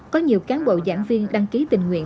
có nhiều cán bộ giảng viên đăng ký tình nguyện